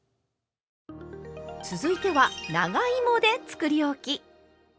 続いては長芋でつくりおき。